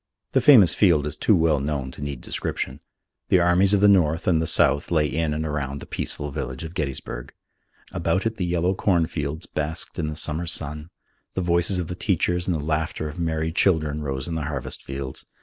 The famous field is too well known to need description. The armies of the North and the South lay in and around the peaceful village of Gettysburg. About it the yellow cornfields basked in the summer sun. The voices of the teachers and the laughter of merry children rose in the harvest fields.